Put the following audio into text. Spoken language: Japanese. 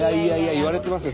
言われてますよ